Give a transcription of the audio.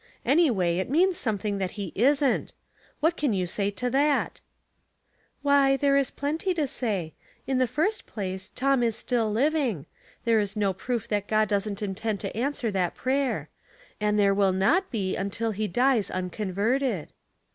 Anyway it means something that he isn't. What can you say to that ?"" Why, there is plenty to say. In the first place, Tom is still living., There is no proof that God doesn't intend to answer that prayer ; and there will not be until he dies unconverted."